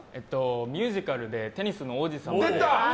ミュージカルで「テニスの王子様」。